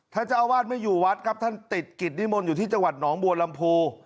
เจ้าอาวาสไม่อยู่วัดครับท่านติดกิจนิมนต์อยู่ที่จังหวัดหนองบัวลำพู